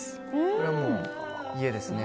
これはもう家ですね。